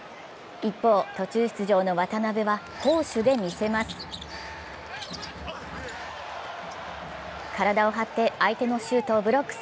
一方、途中出場の渡邊は攻守で見せます。